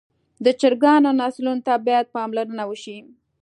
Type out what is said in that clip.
د چرګانو نسلونو ته باید پاملرنه وشي.